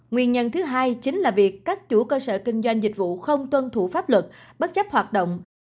nguyên nhân thứ hai chính là việc các chủ cơ sở kinh doanh dịch vụ không tuân thủ pháp luật bất chấp hoạt động